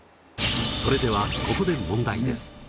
それではここで問題です。